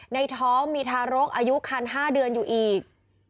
ในท้องมีทารกอายุคัน๕เดือนอยู่อีก